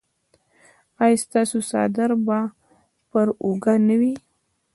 ایا ستاسو څادر به پر اوږه نه وي؟